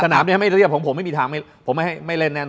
สนามเนี่ยไม่เรียบของผมไม่มีทางผมไม่เล่นแน่น